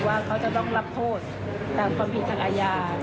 ว่าเขาจะต้องรับโทษตามความผิดทางอาญา